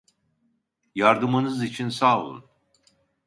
Yardımınız için sağ olun.